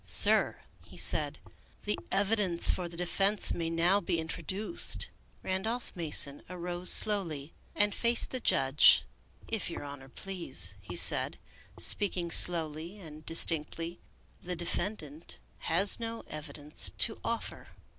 " Sir," he said, " the evidence for the defense may now be introduced." Randolph Mason arose slowly and faced the judge. "If your Honor please," he said, speaking slowly and dis 88 Melville Davisson Post tinctly, " the defendant has no evidence to offer."